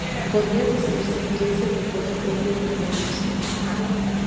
Podría decirse que es el lenguaje propio de las redes sociales.